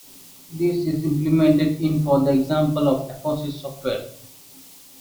This is implemented in for example the Apophysis software.